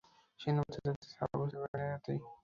সেনাপতির দায়িত্ব ছিল আবু সুফিয়ানের হাতেই।